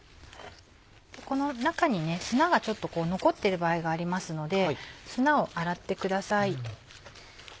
この中に砂が残ってる場合がありますので砂を洗ってください。